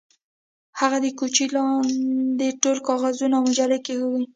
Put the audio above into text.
هغې د کوچ لاندې ټول کاغذونه او مجلې کیښودې